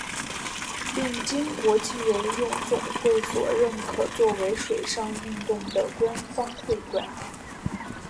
并经国际游泳总会所认可作为水上运动的官方会馆。